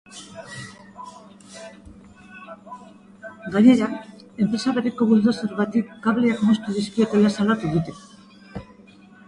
Gainera, enpresa bereko bulldozer bati kableak moztu dizkiotela salatu dute.